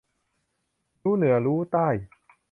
รู้เหนือรู้ใต้